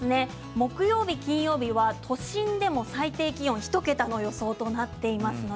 木曜日、金曜日は都心でも最低気温が１桁の予想となっています。